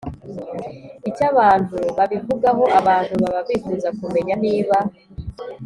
Icyo abantu babivugaho abantu baba bifuza kumenya niba